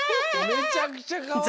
めちゃくちゃかわいい！